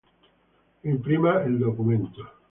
Imprima el documento